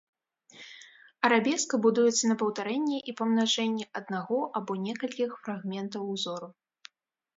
Арабеска будуецца на паўтарэнні і памнажэнні аднаго або некалькіх фрагментаў ўзору.